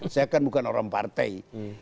saya kan bukan orang partai